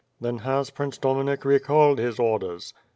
"Then has Prince Dominik recalled his orders?"